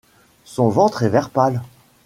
Son ventre est vert pâle.